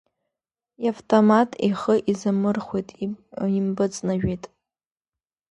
Иавтомат ихы изамырхәеит, импыҵнажәеит…